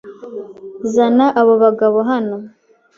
Zana abo bagabo hano.